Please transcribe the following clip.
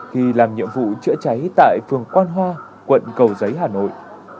khi làm nhiệm vụ chữa cháy tại phường quan hoa quận cầu giấy hà nội